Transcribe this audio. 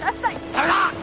駄目だ！